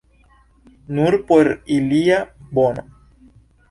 Nur por ilia bono.